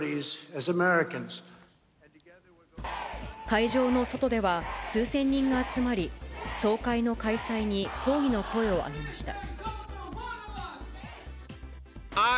会場の外では、数千人が集まり、総会の開催に抗議の声を上げました。